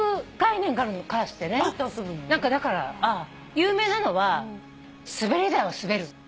有名なのは滑り台を滑る。